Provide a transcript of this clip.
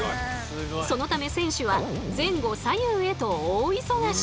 そのため選手は前後左右へと大忙し。